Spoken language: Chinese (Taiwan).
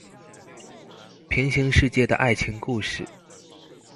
平行世界的愛情故事